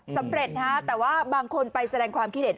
สำเร็จนะฮะแต่ว่าบางคนไปแสดงความคิดเห็น